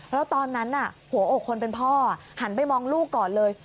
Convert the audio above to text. แล้วตอนนั้นหัวอกคนเป็นพ่อหันไปมองลูกก่อนเลย